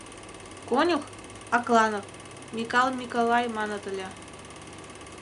Конюх — Акланов, Микал Миколай маныт ыле.